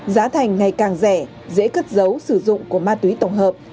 giá thành ngày càng rẻ dễ cất dấu sử dụng của ma túy tổng hợp